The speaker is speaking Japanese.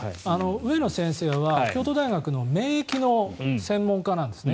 上野先生は京都大学の免疫の専門家なんですね。